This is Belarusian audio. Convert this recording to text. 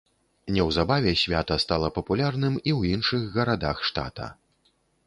Неўзабаве свята стала папулярным і ў іншых гарадах штата.